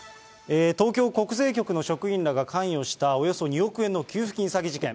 東京国税局の職員らが関与したおよそ２億円の給付金詐欺事件。